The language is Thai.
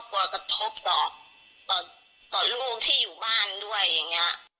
หรือฆ่ากระโภปต่อลูกที่อยู่บ้านด้วย